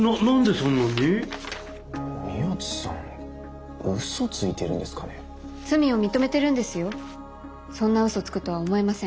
そんなうそつくとは思えません。